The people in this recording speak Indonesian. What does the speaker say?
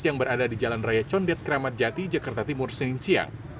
yang berada di jalan raya condet kramat jati jakarta timur senin siang